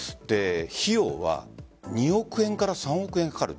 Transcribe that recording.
費用は２億円から３億円かかる。